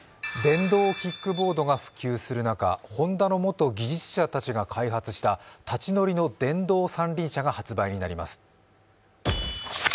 電動キックボードが普及する中、ホンダの元技術者たちが開発した立ち乗りの電動三輪車が発売になります。